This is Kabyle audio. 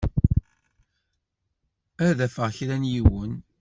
Ad d-afeɣ kra n yiwen.